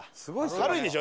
軽いでしょ？